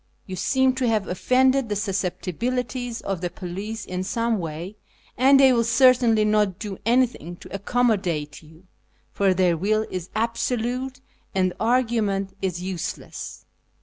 You seeiu to have offended the susceptibilities of the police in some way, and they will certainly not do anything to accom modate you, for their will is absolute, and argument is useless.